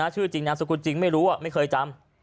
ชื่อจริงนามสกุลจริงไม่รู้ไม่เคยจำ